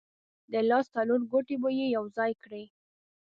د لاس څلور ګوتې به یې یو ځای کړې.